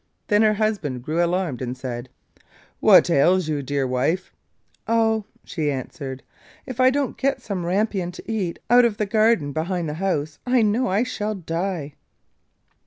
Then her husband grew alarmed and said: 'What ails you, dear wife?' 'Oh,' she answered, 'if I don't get some rampion to eat out of the garden behind the house, I know I shall die.